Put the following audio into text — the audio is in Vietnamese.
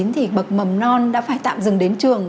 thì bậc mầm non đã phải tạm dừng đến trường